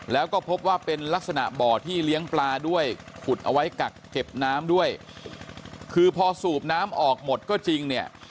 แล้วก็พบว่าเป็นลักษณะบ่อที่เลี้ยงปลาด้วยขุดเอาไว้กักเก็บน้ำด้วยคือพอสูบน้ำออกหมดก็จริงเนี่ย